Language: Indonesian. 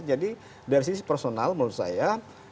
jadi dari sisi personal menurut saya